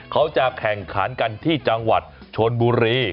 เขาจะแข่งขันกันที่จังหวัดชนบุรี